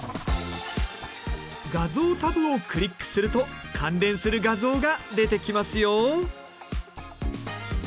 画像タブをクリックすると関連する画像が出てきますよ。